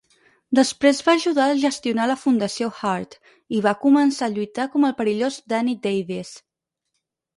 Després va ajudar a gestionar la Fundació Hart i va començar a lluitar com el "Perillós" Danny Davis.